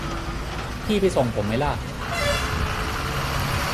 พี่ไปส่งผมไหมล่ะ